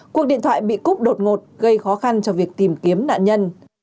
cuộc điện thoại bị cúp đột ngột gây khó khăn cho việc tìm kiếm nạn nhân